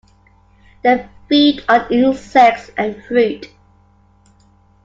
They feed on insects and fruit.